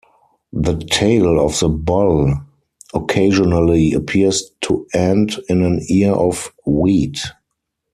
The tail of the bull occasionally appears to end in an ear of wheat.